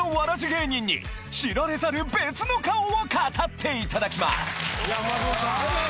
芸人に知られざる別の顔を語っていただきます松本さん